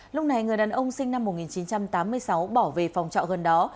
lúc này người đàn ông sinh năm một nghìn chín trăm tám mươi sáu bỏ về phòng trọ gần đó